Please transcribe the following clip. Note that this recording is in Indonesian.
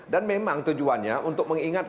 dan memang tujuannya untuk mengingatkan